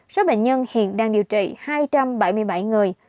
số bệnh nhân hiện đang điều trị hai trăm bảy mươi bảy người